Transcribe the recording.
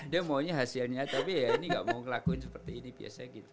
dia maunya hasilnya tapi ya ini gak mau ngelakuin seperti ini biasanya gitu